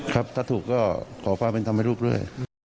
ครับถ้าถูกก็ขอว่ามาทำให้ลูกด้วย